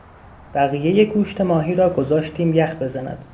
بقیهی گوشت ماهی را گذاشتیم یخ بزند.